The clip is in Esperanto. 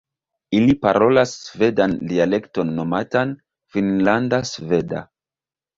Ili parolas svedan dialekton nomatan "finnlanda sveda".